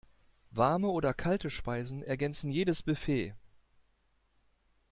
Warme oder kalte Speisen ergänzen jedes Buffet.